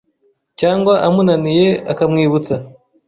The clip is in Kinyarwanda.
cyangwa amunaniye akamwibutsa